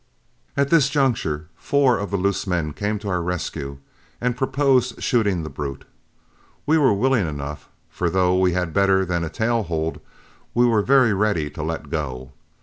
At this juncture, four of the loose men came to our rescue, and proposed shooting the brute. We were willing enough, for though we had better than a tail hold, we were very ready to let go.